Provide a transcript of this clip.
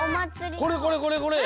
これこれこれこれ！